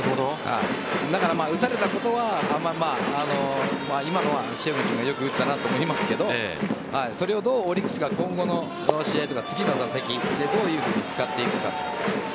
だから打たれたことは今のは塩見君がよく打ったなと思いますがそれをどうオリックスが今後の試合とか次の打席でどういうふうに使っていくか。